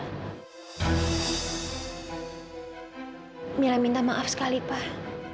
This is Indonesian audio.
mila minta maaf sekali pak